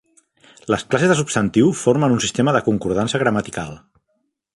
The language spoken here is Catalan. Les classes de substantiu formen un sistema de concordança gramatical.